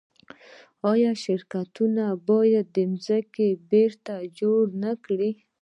آیا شرکتونه باید ځمکه بیرته جوړه نکړي؟